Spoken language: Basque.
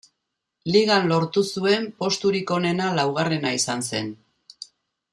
Ligan lortu zuen posturik onena laugarrena izan zen.